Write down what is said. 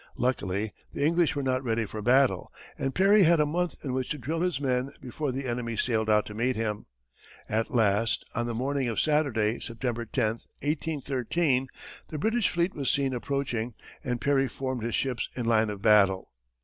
Luckily the English were not ready for battle, and Perry had a month in which to drill his men before the enemy sailed out to meet him. At last, on the morning of Saturday, September 10, 1813, the British fleet was seen approaching, and Perry formed his ships in line of battle.